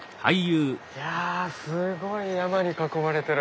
いやすごい山に囲まれてる。